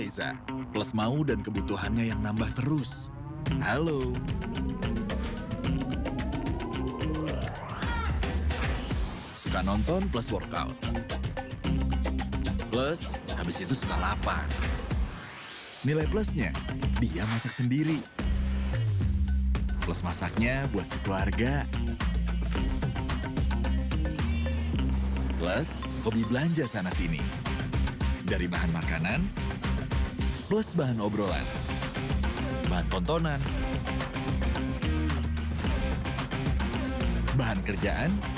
sampai jumpa di video selanjutnya